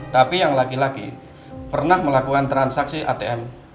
tapi yang laki laki pernah melakukan transaksi atm